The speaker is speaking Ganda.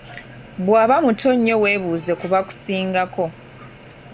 Bw'aba mutono nnyo weebuuze ku bakusingako.